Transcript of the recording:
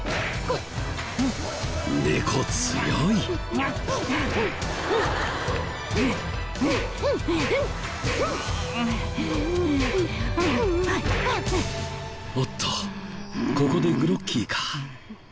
おっとここでグロッキーか？